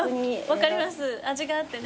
分かります味があってね。